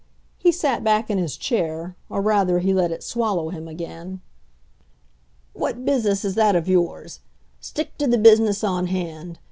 He sat back in his chair, or, rather, he let it swallow him again. "What business is that of yours? Stick to the business on hand.